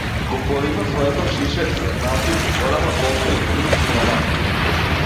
Го подигна своето шише, се напи голема голтка и го спушти на масата.